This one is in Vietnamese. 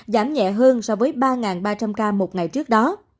giảm nhẹ hơn so với ba ba trăm linh ca một ngày trước đó